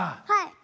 はい！